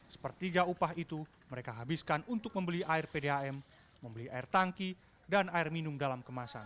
sepertiga upah itu mereka habiskan untuk membeli air pdam membeli air tangki dan air minum dalam kemasan